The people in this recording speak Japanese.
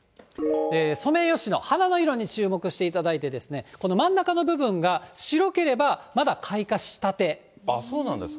ソメイヨシノ、花の色に注目していただいて、この真ん中の部分が白ければ、そうなんですか。